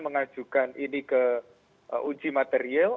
mengajukan ini ke uji material